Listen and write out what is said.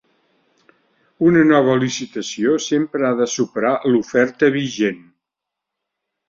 Una nova licitació sempre ha de superar l'oferta vigent.